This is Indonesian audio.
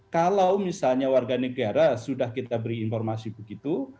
kalau misalnya warga negara sudah kita beri informasi begitu